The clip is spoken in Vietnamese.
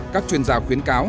các chuyên gia khuyến cáo